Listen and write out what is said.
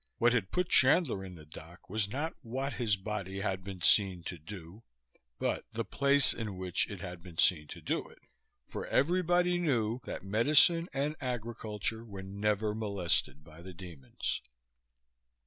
What had put Chandler in the dock was not what his body had been seen to do, but the place in which it had been seen to do it. For everybody knew that medicine and agriculture were never molested by the demons.